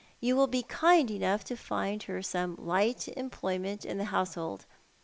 You will be kind enough to find her some light employment in the household.